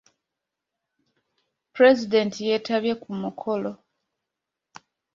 Pulezidenti yeetabye ku mukolo.